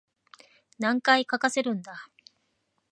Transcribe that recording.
何回かかせるんだ